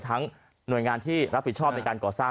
หน่วยงานที่รับผิดชอบในการก่อสร้าง